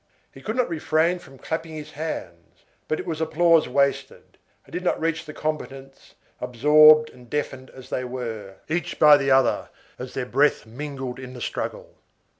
He could not refrain from clapping his hands. But it was applause wasted. It did not reach the combatants, absorbed and deafened as they were, each by the other, as their breath mingled in the struggle.